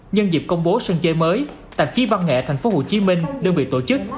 nhân dịp công bố sân chơi mới tạp chí văn nghệ tp hcm đơn vị tổ chức